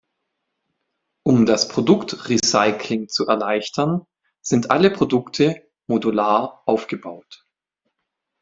Um das Produkt-Recycling zu erleichtern, sind alle Produkte modular aufgebaut.